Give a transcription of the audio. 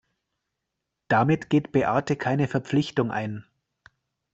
Damit geht Beate keine Verpflichtung ein.